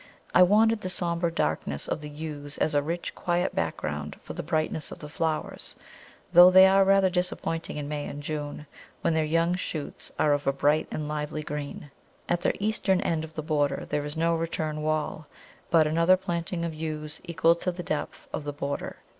I wanted the sombre duskiness of the Yews as a rich, quiet background for the brightness of the flowers, though they are rather disappointing in May and June, when their young shoots are of a bright and lively green. At the eastern end of the border there is no return wall, but another planting of Yews equal to the depth of the border.